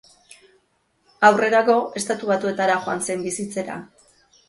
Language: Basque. Aurrerago, Estatu Batuetara joan zen bizitzera.